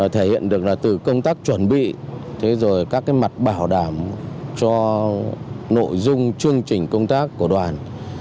thể hiện được là từ công tác chuẩn bị rồi các mặt bảo đảm cho nội dung chương trình công tác của đoàn